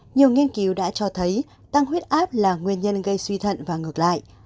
nhiều nghiên cứu đã cho thấy tăng huyết áp là nguyên nhân gây suy thận và ngược lại